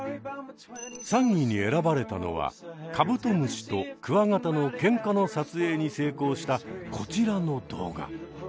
３位に選ばれたのはカブトムシとクワガタのケンカの撮影に成功したこちらの動画。